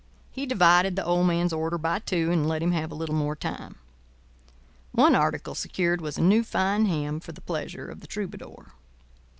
He divided the old man's order by two, and let him have a little more time. One article secured was a new, fine ham for the pleasure of the troubadour.